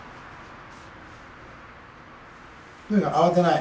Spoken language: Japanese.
いや慌てない。